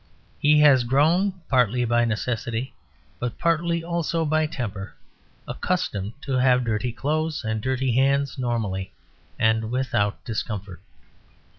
He has grown, partly by necessity, but partly also by temper, accustomed to have dirty clothes and dirty hands normally and without discomfort.